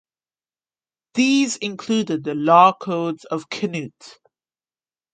These included the law codes of Cnut.